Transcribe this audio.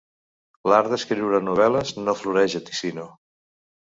L'art d'escriure novel·les no floreix a Ticino.